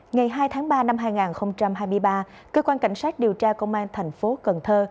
ngày hai tháng ba năm hai nghìn hai mươi ba cơ quan cảnh sát điều tra công an thành phố cần thơ